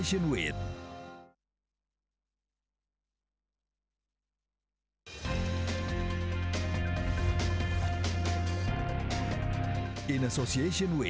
dan kita akan kembali kesini